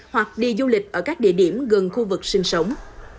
hoặc đi du lịch ở các địa điểm gần khu vực sinh sống